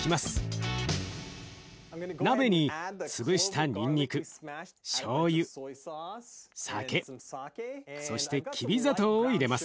鍋に潰したにんにくしょうゆ酒そしてきび砂糖を入れます。